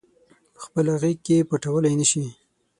پخپله غیږ کې پټولای نه شي